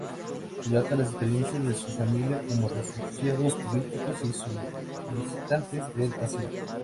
Relata las experiencias de su familia como refugiados políticos y solicitantes de asilo.